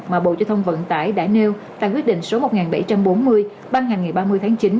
mà bộ giao thông vận tải đã nêu tại quyết định số một nghìn bảy trăm bốn mươi ban hành ngày ba mươi tháng chín